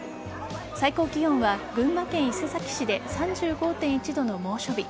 最高気温は群馬県伊勢崎市で３５．１度の猛暑日。